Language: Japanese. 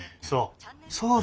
そう！